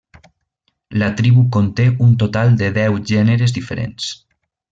La tribu conté un total de deu gèneres diferents.